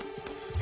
あ。